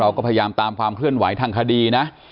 เราก็พยายามตามความเคลื่อนไหวทางคดีนะ